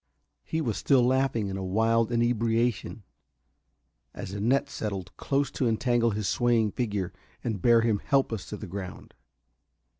He was still laughing in a wild inebriation as a net settled close to entangle his swaying figure and bear him helpless to the ground.